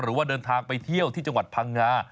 หรือว่าเดินทางไปเที่ยวที่จังหวัดพังงา